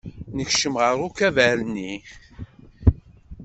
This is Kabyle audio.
Nekcem ɣer ukabar-nni.